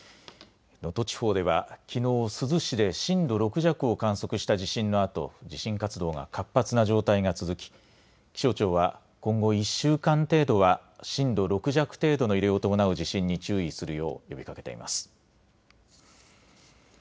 能登地方ではきのう珠洲市で震度６弱を観測した地震のあと地震活動が活発な状態が続き気象庁は今後１週間程度は震度６弱程度の揺れを伴う地震に注意するよう呼びかけています。